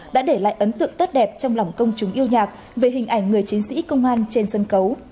đã để lại ấn tượng tốt đẹp trong lòng công chúng yêu nhạc về hình ảnh người chiến sĩ công an trên sân khấu